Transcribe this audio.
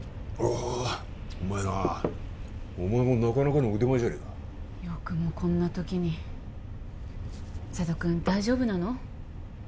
うまいなお前もなかなかの腕前じゃねえかよくもこんな時に瀬戸くん大丈夫なの？